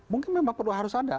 mungkin memang perlu harus ada